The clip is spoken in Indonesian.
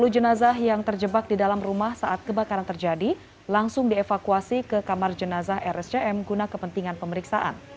sepuluh jenazah yang terjebak di dalam rumah saat kebakaran terjadi langsung dievakuasi ke kamar jenazah rscm guna kepentingan pemeriksaan